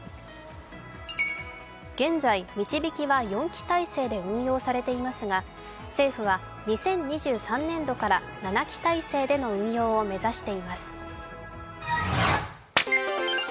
現在、「みちびき」は４機体制で運用されていますが政府は２０２３年度から７機体制での運用を目指しています。